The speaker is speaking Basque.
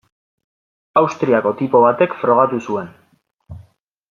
Austriako tipo batek frogatu zuen.